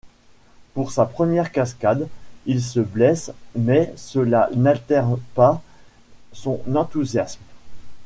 Pour sa première cascade, il se blesse mais cela n'altère pas son enthousiasme.